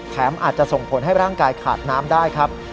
อาจจะส่งผลให้ร่างกายขาดน้ำได้ครับ